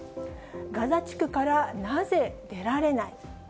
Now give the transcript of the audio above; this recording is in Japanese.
ガザ地区からなぜ出られない？